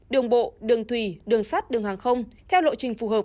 đường bộ đường thủy đường sắt đường hàng không theo lộ trình phù hợp